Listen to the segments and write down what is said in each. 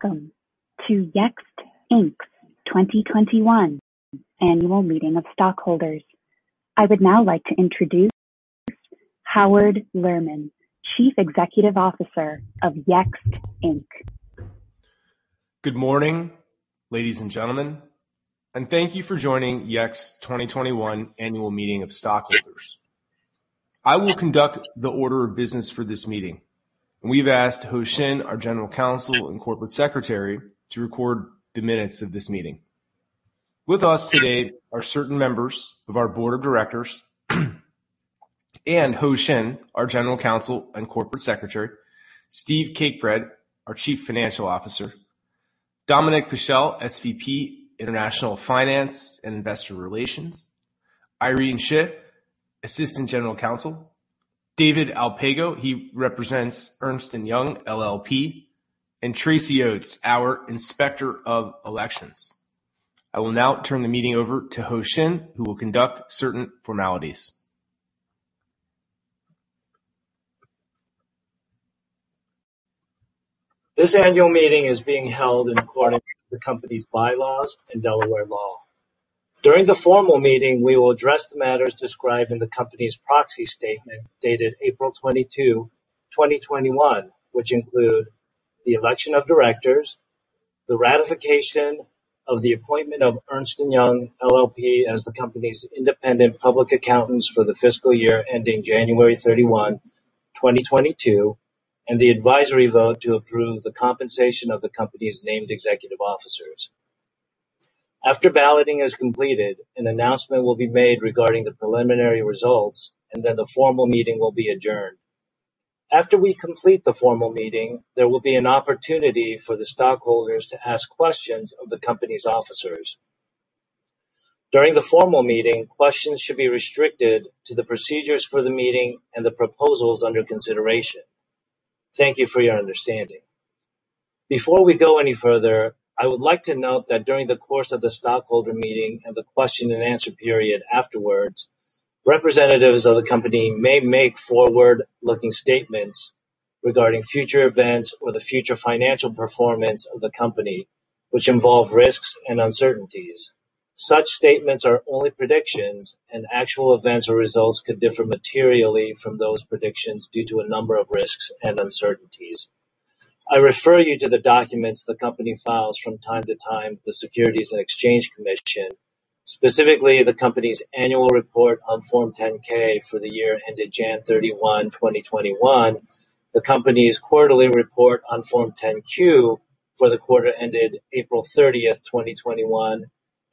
Welcome to Yext, Inc.'s 2021 Annual Meeting of Stockholders. I would now like to introduce Howard Lerman, Chief Executive Officer of Yext, Inc. Good morning, ladies and gentlemen, and thank you for joining Yext's 2021 Annual Meeting of Stockholders. I will conduct the order of business for this meeting, and we've asked Ho Shin, our General Counsel and Corporate Secretary, to record the minutes of this meeting. With us today are certain members of our board of directors and Ho Shin, our General Counsel and Corporate Secretary, Steve Cakebread, our Chief Financial Officer, Dominic Paschel, SVP International Finance and Investor Relations, Irene Shih, Assistant General Counsel, David Alpago, he represents Ernst & Young LLP, and Tracy Oates, our Inspector of Elections. I will now turn the meeting over to Ho Shin, who will conduct certain formalities. This annual meeting is being held in accordance with the company's bylaws and Delaware law. During the formal meeting, we will address the matters described in the company's proxy statement dated April 22, 2021, which include the election of directors, the ratification of the appointment of Ernst & Young LLP as the company's independent public accountants for the fiscal year ending January 31, 2022, and the advisory vote to approve the compensation of the company's named executive officers. After balloting is completed, an announcement will be made regarding the preliminary results, and then the formal meeting will be adjourned. After we complete the formal meeting, there will be an opportunity for the stockholders to ask questions of the company's officers. During the formal meeting, questions should be restricted to the procedures for the meeting and the proposals under consideration. Thank you for your understanding. Before we go any further, I would like to note that during the course of the stockholder meeting and the question and answer period afterwards, representatives of the company may make forward-looking statements regarding future events or the future financial performance of the company, which involve risks and uncertainties. Such statements are only predictions, and actual events or results could differ materially from those predictions due to a number of risks and uncertainties. I refer you to the documents the company files from time to time with the Securities and Exchange Commission, specifically the company's annual report on Form 10-K for the year ended January 31, 2021, the company's quarterly report on Form 10-Q for the quarter ended April 30, 2021,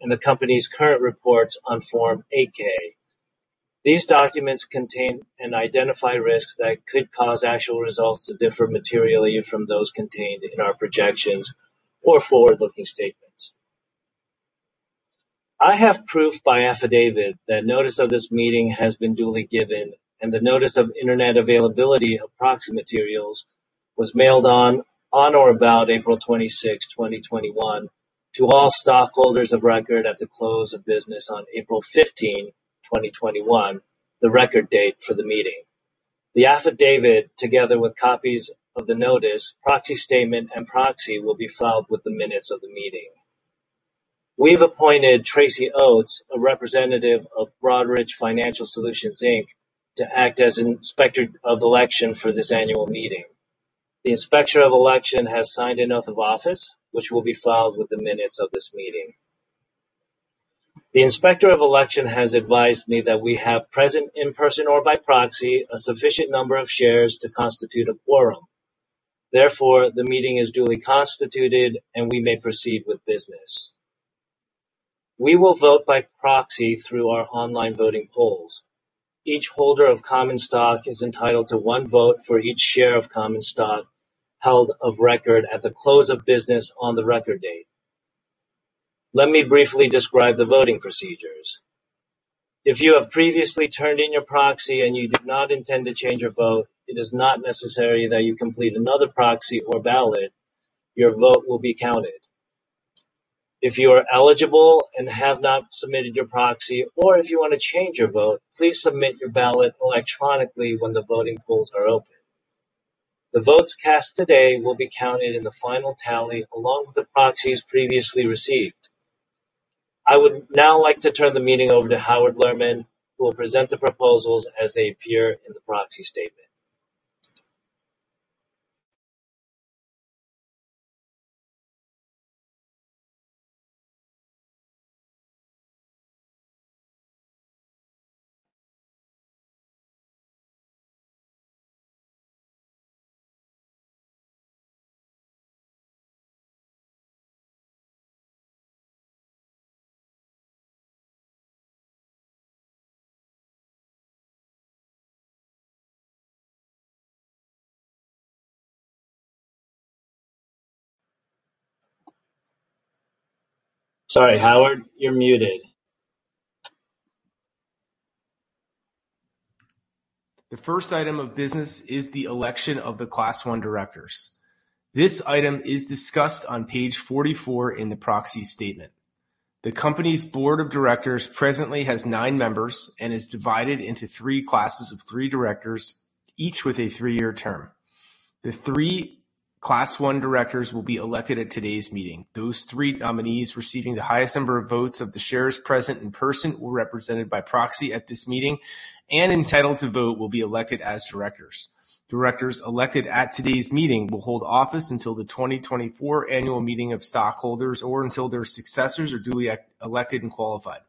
and the company's current reports on Form 8-K. These documents contain and identify risks that could cause actual results to differ materially from those contained in our projections or forward-looking statements. I have proof by affidavit that notice of this meeting has been duly given and the notice of Internet availability of proxy materials was mailed on or about April 26, 2021, to all stockholders of record at the close of business on April 15, 2021, the record date for the meeting. The affidavit, together with copies of the notice, proxy statement, and proxy, will be filed with the minutes of the meeting. We've appointed Tracy Oates, a representative of Broadridge Financial Solutions, Inc., to act as Inspector of Election for this annual meeting. The Inspector of Election has signed an oath of office, which will be filed with the minutes of this meeting. The Inspector of Election has advised me that we have present in person or by proxy a sufficient number of shares to constitute a quorum. The meeting is duly constituted, and we may proceed with business. We will vote by proxy through our online voting polls. Each holder of common stock is entitled to one vote for each share of common stock held of record at the close of business on the record date. Let me briefly describe the voting procedures. If you have previously turned in your proxy and you do not intend to change your vote, it is not necessary that you complete another proxy or ballot. Your vote will be counted. If you are eligible and have not submitted your proxy, or if you want to change your vote, please submit your ballot electronically when the voting polls are open. The votes cast today will be counted in the final tally along with the proxies previously received. I would now like to turn the meeting over to Howard Lerman, who will present the proposals as they appear in the proxy statement. Sorry, Howard, you're muted. The first item of business is the election of the Class I directors. This item is discussed on page 44 in the proxy statement. The company's board of directors presently has nine members and is divided into three classes of three directors, each with a three-year term. The three Class 1 directors will be elected at today's meeting. Those three nominees receiving the highest number of votes of the shares present in person or represented by proxy at this meeting and entitled to vote will be elected as directors. Directors elected at today's meeting will hold office until the 2024 Annual Meeting of Stockholders or until their successors are duly elected and qualified.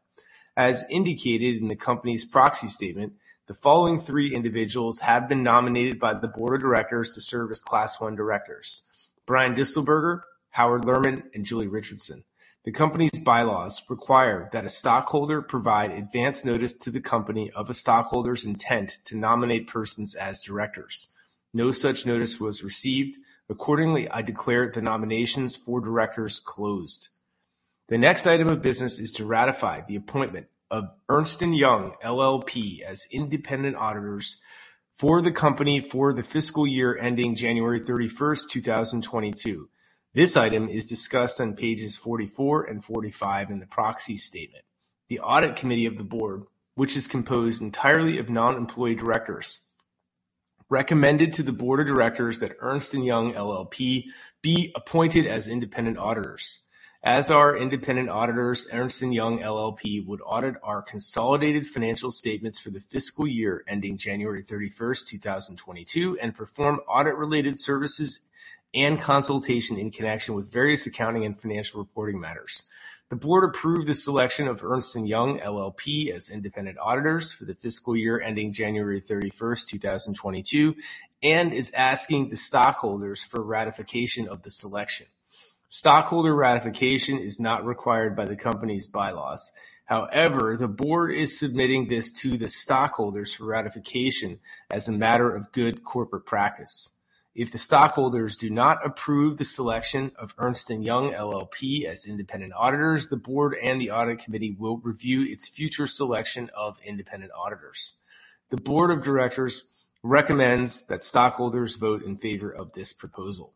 As indicated in the company's proxy statement, the following three individuals have been nominated by the board of directors to serve as Class 1 directors: Brian Distelburger, Howard Lerman, and Julie Richardson. The company's bylaws require that a stockholder provide advance notice to the company of a stockholder's intent to nominate persons as directors. No such notice was received. Accordingly, I declare the nominations for directors closed. The next item of business is to ratify the appointment of Ernst & Young LLP as independent auditors for the company for the fiscal year ending January 31st, 2022. This item is discussed on pages 44 and 45 in the proxy statement. The audit committee of the board, which is composed entirely of non-employee directors, recommended to the board of directors that Ernst & Young LLP be appointed as independent auditors. As our independent auditors, Ernst & Young LLP would audit our consolidated financial statements for the fiscal year ending January 31st, 2022, and perform audit-related services and consultation in connection with various accounting and financial reporting matters. The board approved the selection of Ernst & Young LLP as independent auditors for the fiscal year ending January 31st, 2022, and is asking the stockholders for ratification of the selection. Stockholder ratification is not required by the company's bylaws. However, the board is submitting this to the stockholders for ratification as a matter of good corporate practice. If the stockholders do not approve the selection of Ernst & Young LLP as independent auditors, the board and the audit committee will review its future selection of independent auditors. The board of directors recommends that stockholders vote in favor of this proposal.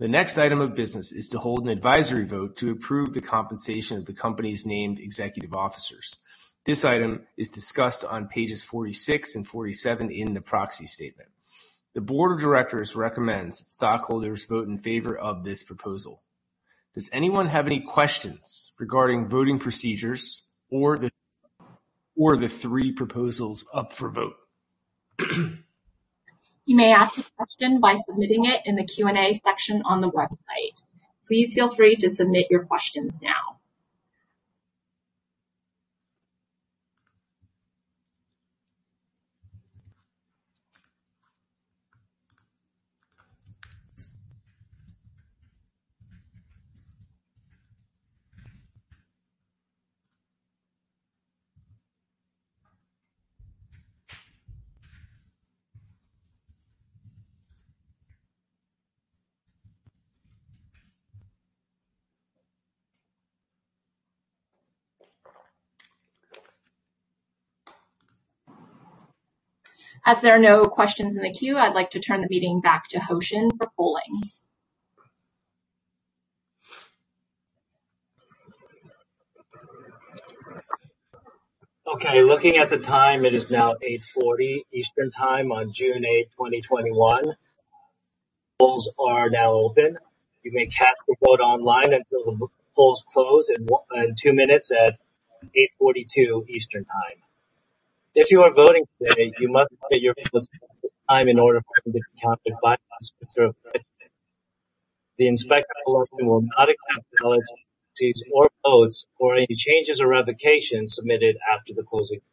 The next item of business is to hold an advisory vote to approve the compensation of the company's named executive officers. This item is discussed on pages 46 and 47 in the proxy statement. The board of directors recommends stockholders vote in favor of this proposal. Does anyone have any questions regarding voting procedures or the three proposals up for vote? You may ask a question by submitting it in the Q&A section on the website. Please feel free to submit your questions now. As there are no questions in the queue, I'd like to turn the meeting back to Ho Shin for polling. Okay, looking at the time, it is now 8:40A.M. Eastern Time on June 8th, 2021. Polls are now open. You may cast your vote online until the polls close in two minutes at 8:42A.M. Eastern Time. If you are voting today, you must submit your ballot within this time in order for them to be counted by us with your vote today. The Inspector of Election will not account any proxies or votes or any changes or revocations submitted after the closing of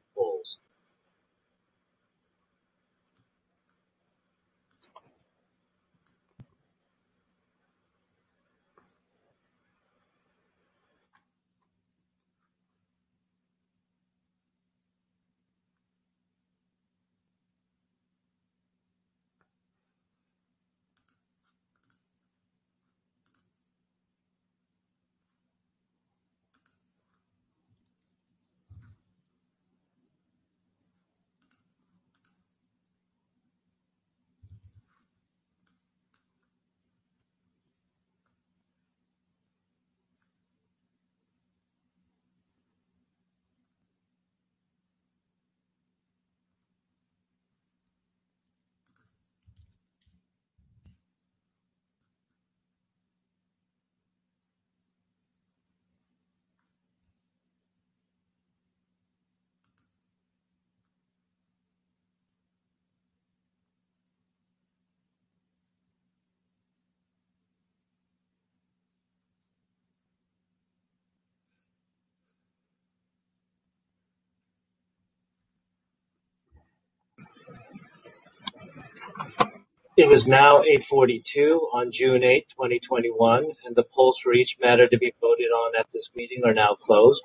polls. It is now 8:42A.M. on June 8th, 2021, the polls for each matter to be voted on at this meeting are now closed.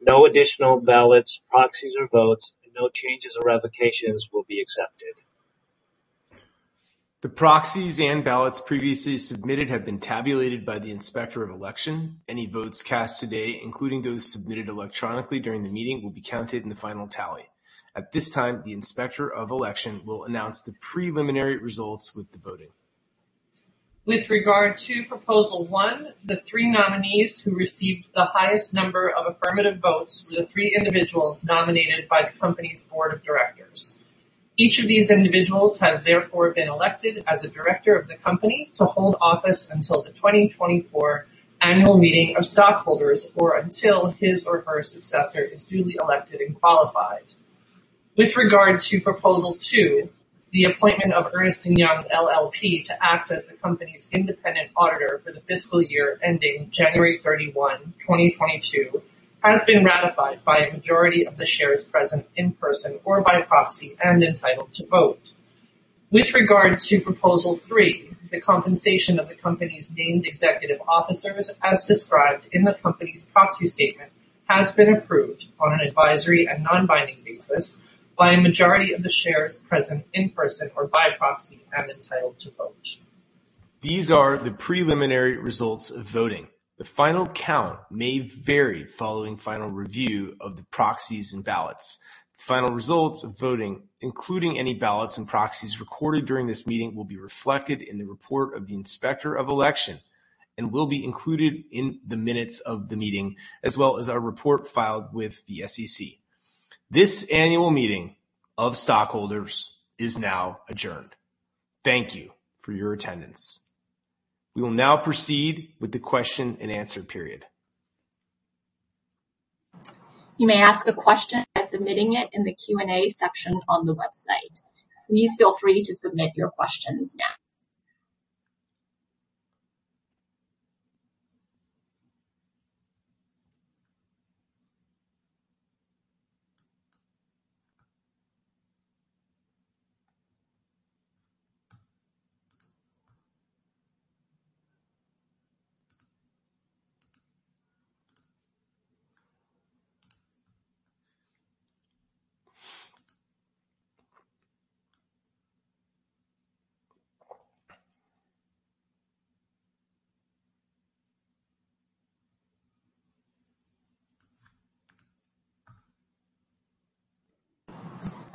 No additional ballots, proxies, or votes, no changes or revocations will be accepted. The proxies and ballots previously submitted have been tabulated by the Inspector of Election. Any votes cast today, including those submitted electronically during the meeting, will be counted in the final tally. At this time, the Inspector of Election will announce the preliminary results with the voting. With regard to proposal one, the three nominees who received the highest number of affirmative votes were the three individuals nominated by the company's board of directors. Each of these individuals has therefore been elected as a director of the company to hold office until the 2024 Annual Meeting of Stockholders, or until his or her successor is duly elected and qualified. With regard to proposal two, the appointment of Ernst & Young LLP to act as the company's independent auditor for the fiscal year ending January 31, 2022, has been ratified by a majority of the shares present in person or by proxy and entitled to vote. With regard to proposal three, the compensation of the company's named executive officers, as described in the company's proxy statement, has been approved on an advisory and non-binding basis by a majority of the shares present in person or by proxy and entitled to vote. These are the preliminary results of voting. The final count may vary following final review of the proxies and ballots. The final results of voting, including any ballots and proxies recorded during this meeting, will be reflected in the report of the Inspector of Election and will be included in the minutes of the meeting, as well as our report filed with the SEC. This annual meeting of stockholders is now adjourned. Thank you for your attendance. We will now proceed with the question and answer period. You may ask a question by submitting it in the Q&A section on the website. Please feel free to submit your questions now.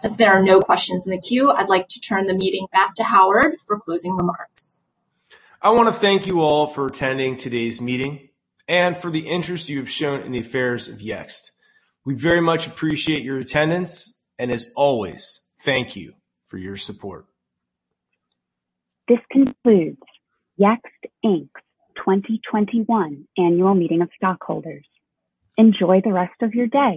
If there are no questions in the queue, I'd like to turn the meeting back to Howard for closing remarks. I want to thank you all for attending today's meeting and for the interest you have shown in the affairs of Yext. We very much appreciate your attendance, and as always, thank you for your support. This concludes Yext, Inc.'s 2021 Annual Meeting of Stockholders. Enjoy the rest of your day.